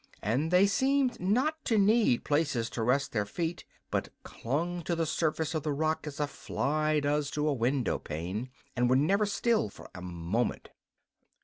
And they seemed not to need places to rest their feet, but clung to the surface of the rock as a fly does to a window pane, and were never still for a moment.